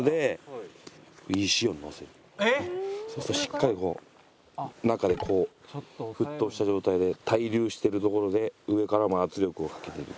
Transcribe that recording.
そうするとしっかりこう中でこう沸騰した状態で対流してるところで上からも圧力をかけていく。